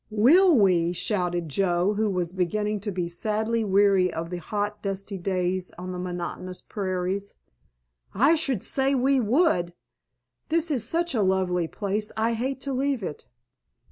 "Will we?" shouted Joe, who was beginning to be sadly weary of the hot, dusty days on the monotonous prairies. "I should say we would! This is such a lovely place I hate to leave it."